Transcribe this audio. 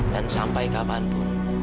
dan sampai kapanpun